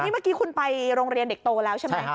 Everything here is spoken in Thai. เมื่อกี้คุณไปโรงเรียนเด็กโตแล้วใช่ไหม